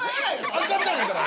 赤ちゃんやから。